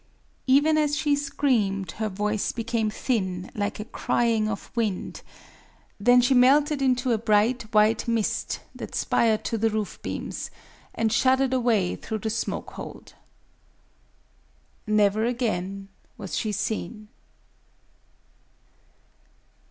Even as she screamed, her voice became thin, like a crying of wind;—then she melted into a bright white mist that spired to the roof beams, and shuddered away through the smoke hole.... Never again was she seen.